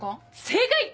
正解！